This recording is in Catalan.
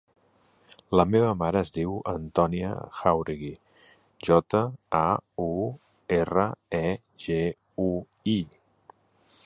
La meva mare es diu Antònia Jauregui: jota, a, u, erra, e, ge, u, i.